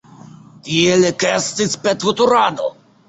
Tiel ekestis petveturado!